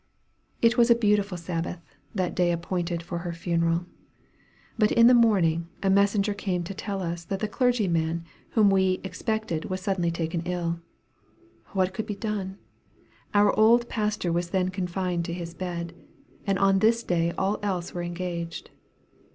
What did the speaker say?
It was a beautiful Sabbath that day appointed for her funeral but in the morning a messenger came to tell us that the clergyman whom we expected was taken suddenly ill. What could be done? Our old pastor was then confined to his bed, and on this day all else were engaged.